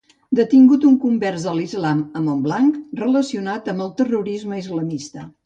Detingut un convers a l'islam a Montblanc relacionat amb el terrorisme islamista